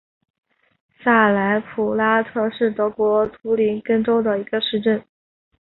萨莱普拉特是德国图林根州的一个市镇。